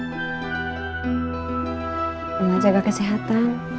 emang jaga kesehatan